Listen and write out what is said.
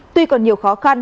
tuy còn nhiều khó khăn